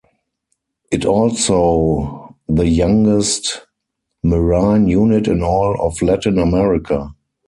It also the youngest Marine unit in all of Latin America.